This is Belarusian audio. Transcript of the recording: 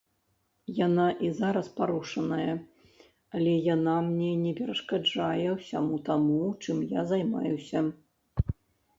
Яна і зараз парушаная, але яна мне не перашкаджае ўсяму таму, чым я займаюся.